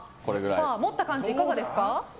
持った感じ、いかがですか？